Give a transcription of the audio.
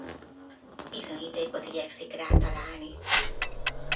Bizonyítékot igyekszik rá találni.